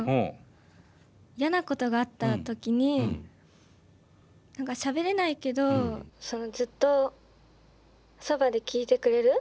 嫌なことがあった時に何かしゃべれないけどずっとそばで聞いてくれる。